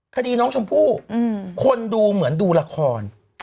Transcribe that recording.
คดีน้องชมพู่คนดูเหมือนดูละคร